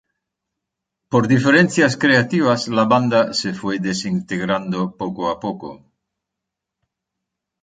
Por diferencias creativas la banda se fue desintegrando poco a poco.